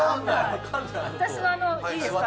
私のいいですか？